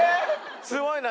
すごいな。